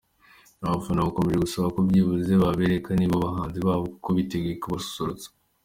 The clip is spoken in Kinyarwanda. Abafana bakomeje gusaba ko byibuze babereka niba abahanzi koko bari biteguye kubasusurutsa.